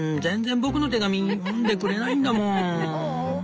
全然僕の手紙読んでくれないんだもん」。